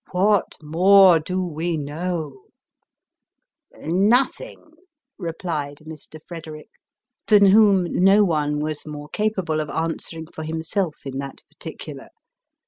What more do we know ?" "Nothing," replied Mr. Frederick than whom no one was more capable of answering for himself in that particular.